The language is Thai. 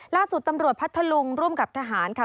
ล่าสุดตำรวจพัทธลุงร่วมกับทหารค่ะ